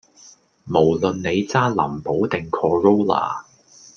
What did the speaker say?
無論你揸林寶定 corolla